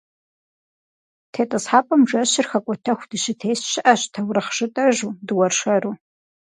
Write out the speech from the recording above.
ТетӀысхьэпӀэм жэщыр хэкӀуэтэху дыщытес щыӀэщ таурыхъ жытӏэжу, дыуэршэру.